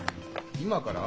今から？